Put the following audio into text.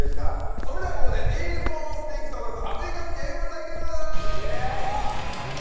それではここでＴボーンステーキ争奪アメリカンゲーム対決！